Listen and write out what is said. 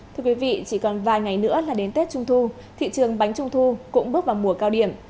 thưa quý vị chỉ còn vài ngày nữa là đến tết trung thu thị trường bánh trung thu cũng bước vào mùa cao điểm